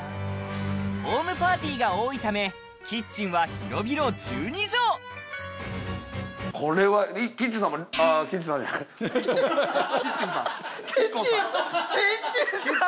ホームパーティーが多いためキッチンは広々１２帖あキッチンさんじゃない。